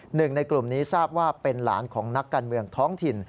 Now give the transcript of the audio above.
หนึ่งในกลุ่มนี้ทราบว่าเป็นหลานของนักการเมืองท้องถิ่น